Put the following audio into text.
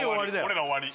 俺ら終わり